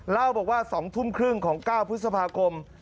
เล่าบอกว่า๒ทุ่มครึ่งของ๙พฤษภาคม